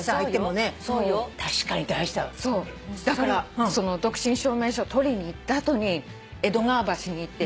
だから独身証明書取りに行った後に江戸川橋に行って。